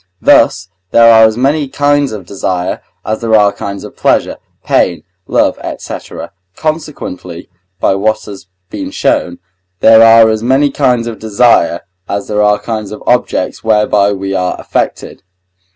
Thus there are as many kinds of desire, as there are kinds of pleasure, pain, love, &c., consequently (by what has been shown) there are as many kinds of desire, as there are kinds of objects whereby we are affected.